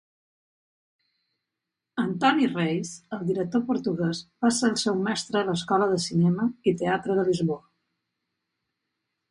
Antonio Reis, el director portuguès, va ser el seu mestre a l'Escola de Cinema i Teatre de Lisboa.